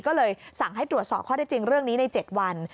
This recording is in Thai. ก็เลยสั่งให้ตรวจสอบข้อได้จริงเรื่องนี้ใน๗วัน